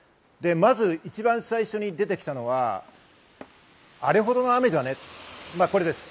まず一番最初に出てきたのはあれほどの雨じゃね、これです。